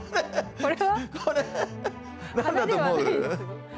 これ何だと思う？